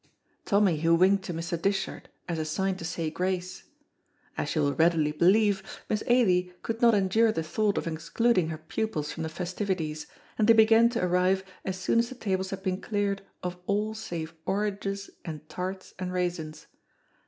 Tommy who winked to Mr. Dishart as a sign to say grace. As you will readily believe, Miss Ailie could not endure the thought of excluding her pupils from the festivities, and they began to arrive as soon as the tables had been cleared of all save oranges and tarts and raisins.